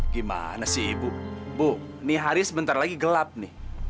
gimana sih ibu bu ini hari sebentar lagi gelap nih